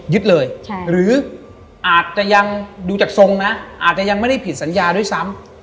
เลยหรืออาจจะยังดูจากทรงนะอาจจะยังไม่ได้ผิดสัญญาด้วยซ้ำ